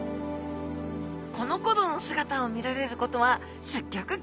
このころの姿を見られることはすっギョく